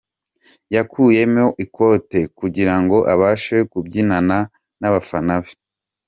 Yakuyemo ikote kugirango abashe kubyinana n’ abafana be